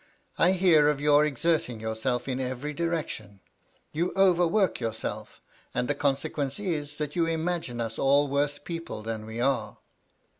I hear of you exerting your self in every direction : you over work yourself^ and the consequence is, that you imagine us all worse people than we are."